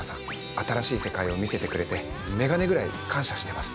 新しい世界を見せてくれて眼鏡ぐらい感謝してます。